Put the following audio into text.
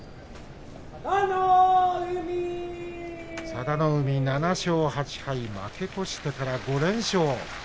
佐田の海、７勝８敗負け越してから５連勝。